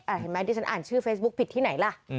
อ่ะเห็นมั้ยดิฉันอ่านชื่อเฟซบุ๊กผิดที่ไหนล่ะ